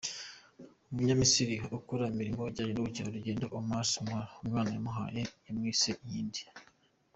Umunyamisiri ukora imirimo ijyanye n’ubukerarugendo, Omar Samra, umwana bamuhaye yamwise “Inkindi”.